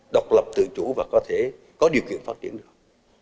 độc lập tự chủ và có thể có điều kiện phát triển được